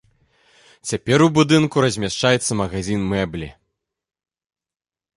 Цяпер у будынку размяшчаецца магазін мэблі.